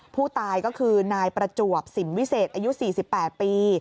ผู้ตายก็คือนายประจวบสิมวิเศษอายุ๔๘ปี